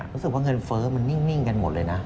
รู้สึกว่าเงินเฟ้อมันนิ่งกันหมดเลยนะ